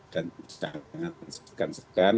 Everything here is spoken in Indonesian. dan jangan sekan sekan